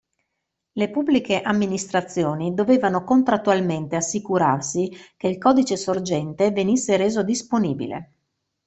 Le Pubbliche Amministrazioni dovevano contrattualmente assicurarsi che il codice sorgente venisse reso disponibile.